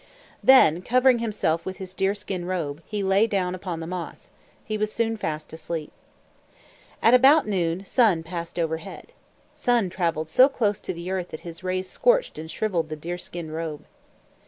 Then, covering himself with his deerskin robe, he lay down upon the moss. He was soon fast asleep. At about noon Sun passed overhead. Sun traveled so close to the earth that his rays scorched and shriveled the deerskin robe.